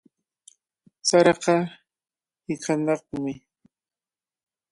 Saraqa hiqanaqmi.